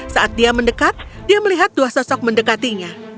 saat dia mendekat dia melihat dua sosok mendekatinya